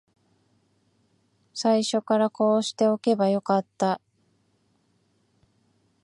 最初からこうしておけばよかった